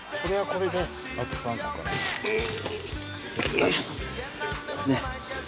よいしょ。